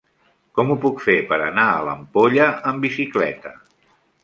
Com ho puc fer per anar a l'Ampolla amb bicicleta?